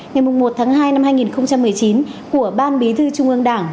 ngày một tháng hai năm hai nghìn một mươi chín của ban bí thư trung ương đảng